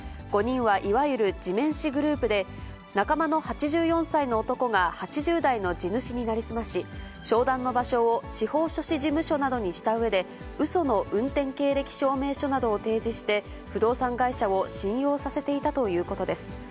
５人はいわゆる地面師グループで、仲間の８４歳の男が８０代の地主に成り済まし、商談の場所を司法書士事務所などにしたうえで、うその運転経歴証明書などを提示して、不動産会社を信用させていたということです。